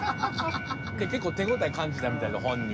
結構手応え感じたみたいで本人。